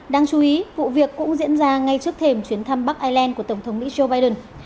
đáng chú ý vụ việc cũng diễn ra ngay trước thềm chuyến thăm bắc ireland của tổng thống mỹ joe biden